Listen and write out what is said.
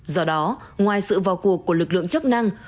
do đó ngoài sự vào cuộc của lực lượng chức năng